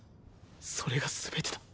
それが全てだ。